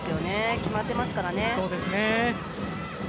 決まってますからね。